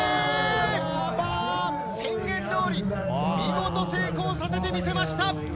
宣言どおり、見事、成功させてみせました！